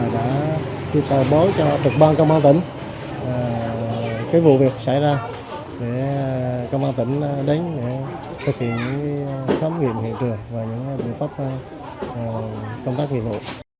đã kịp thời báo cho trực ban công an tỉnh vụ việc xảy ra để công an tỉnh đến để thực hiện khám nghiệm hiện trường và những biện pháp công tác nghiệp vụ